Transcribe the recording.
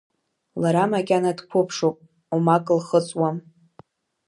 Лара макьана дқәыԥшуп, оумак лхыҵуам.